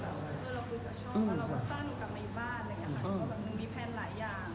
เมื่อเราคุยกับช่องที่มาตั้งแต่ล้อเหมือนว่ามันมีแผนหลายอย่าง